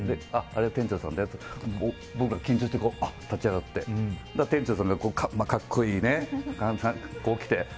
あれ店長さんだよって言って僕ら緊張して立ち上がって店長さんが、格好いい感じでこう来て。